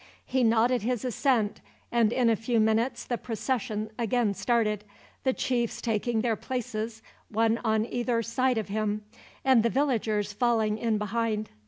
He nodded his assent, and in a few minutes the procession again started, the chiefs taking their places one on either side of him, and the villagers falling in behind.